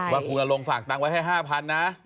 ว่าครูนรงษ์ฝากตังค์ไว้๕๐๐๐บาทนะ